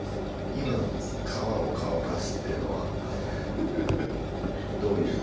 今の「皮を乾かす」っていうのはフフフフッどういう？